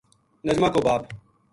نجمہ کو باپ